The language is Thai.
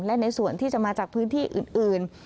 และในส่วนที่จะมาจากพื้นที่อื่น